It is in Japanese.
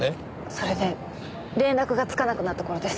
それで連絡がつかなくなった頃です。